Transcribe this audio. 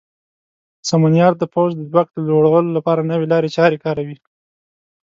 سمونیار د پوځ د ځواک د لوړولو لپاره نوې لارې چارې کاروي.